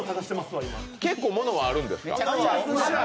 結構ものはあるんですか？